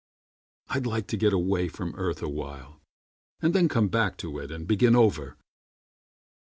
I'd like to get away from earth awhile And then come back to it and begin over.